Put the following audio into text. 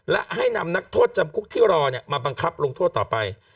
และให้นำนักโทษจำคุกที่รอมาบังคับลงโทษต่อไป